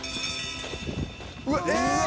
「うわっ！ええ！」